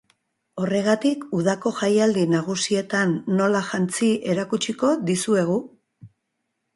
Horregatik, udako jaialdi nagusietan nola jantzi erakutsiko dizuegu.